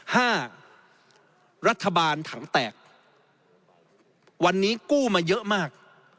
ห้ารัฐบาลถังแตกวันนี้กู้มาเยอะมาก